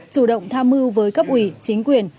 chủ động tham mưu với cấp ủy chính quyền